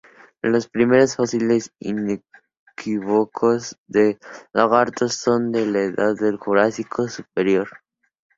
Los primeros fósiles inequívocos de lagartos son de la edad del Jurásico Superior.